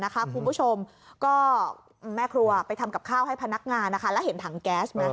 คุณผู้ชมก็แม่ครัวไปทำกับข้าวให้พนักงานแล้วเห็นถังแก๊สไหม